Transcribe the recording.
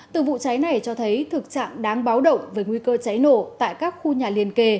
từ vụ cháy này cho thấy thực trạng đáng báo động về nguy cơ cháy nổ tại các khu nhà liên kề